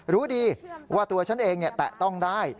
รู้ดีว่าตัวฉันเองแตะต้องได้